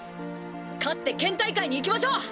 勝って県大会に行きましょう！